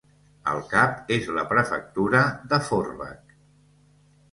El cap és la prefectura de Forbach.